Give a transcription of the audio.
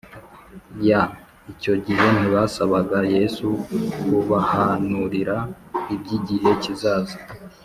ya !’ Icyo gihe ntibasabaga Yesu kubahanurira iby’igihe kizaza